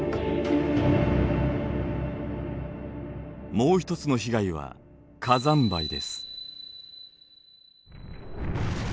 もう一つの被害は火山灰です。